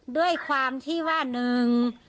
ด้วยความที่ว่าหนึ่ง